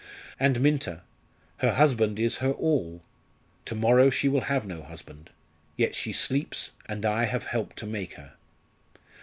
And Minta her husband is her all to morrow she will have no husband; yet she sleeps, and I have helped to make her.